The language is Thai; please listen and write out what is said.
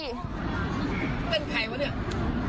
เป็นใครวะเนี่ย